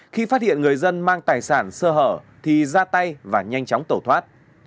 khi phát hiện người dân mang tài sản sơ hở thì ra tay và nhanh chóng tẩu thoát